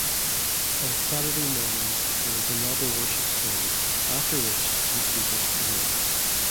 On Saturday morning, there is another worship service, after which two speakers present.